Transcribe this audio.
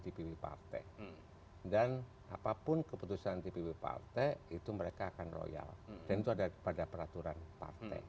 dpp partai dan apapun keputusan dpp partai itu mereka akan royal dan itu ada pada peraturan partai